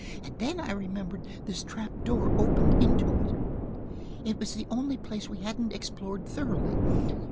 "and then I remembered this trap door opened into it. It was the only place we hadn't explored thoroughly.